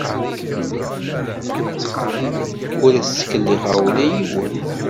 Ur as-ttkellixeɣ ula i yiwen.